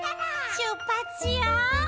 「しゅっぱつしよう！」